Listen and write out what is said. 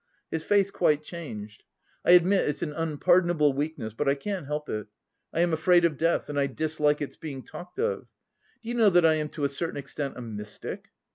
His face quite changed. "I admit it's an unpardonable weakness, but I can't help it. I am afraid of death and I dislike its being talked of. Do you know that I am to a certain extent a mystic?"